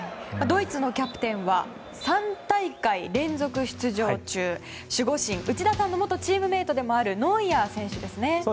ドイツのキャプテンは３大会連続出場中、守護神内田さんの元チームメートでもあるノイアー選手ですね。